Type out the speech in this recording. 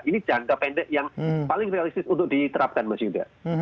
ini jangka pendek yang paling realistis untuk diterapkan mas indra